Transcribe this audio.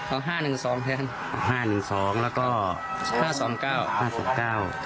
เอาห้าหนึ่งสองแทนห้าหนึ่งสองแล้วก็ห้าสองเก้าห้าสิบเก้า